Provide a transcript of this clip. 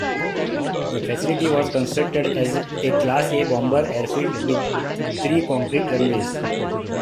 The facility was constructed as a "Class A" bomber airfield with three concrete runways.